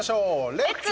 レッツ！